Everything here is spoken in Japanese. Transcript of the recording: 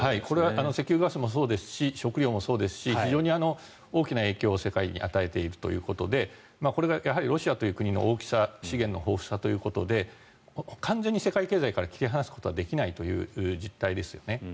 これは石油、ガスもそうですし食料もそうですし非常に大きな影響を世界に与えているということでこれがやはりロシアという国の大きさ資源の豊富さということで完全に世界経済から切り離すことはできないという実態ですね。